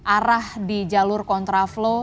arah di jalur kontraflow